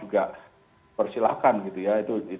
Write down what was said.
juga persilahkan gitu ya